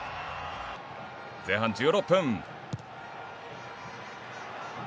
前半１６分。